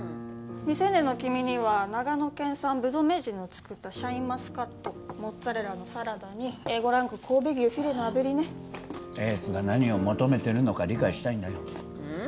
未成年の君には長野県産ぶどう名人の作ったシャインマスカットモッツァレラのサラダにＡ５ランク神戸牛フィレのあぶりねエースが何を求めてるのか理解したいんだよううん